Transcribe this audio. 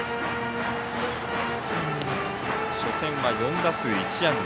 初戦は４打数１安打。